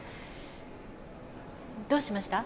どうしました？